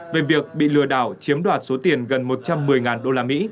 về việc bị lừa đảo chiếm đoạt số tiền gần một trăm một mươi usd